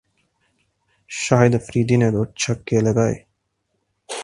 شاہد آفریدی نے دو چھکے لگائے